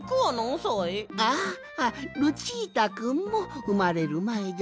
ああルチータくんもうまれるまえじゃよ。